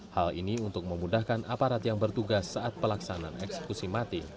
hal ini untuk memudahkan aparat yang bertugas saat pelaksanaan eksekusi mati